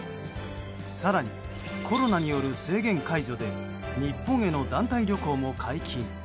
更に、コロナによる制限解除で日本への団体旅行も解禁。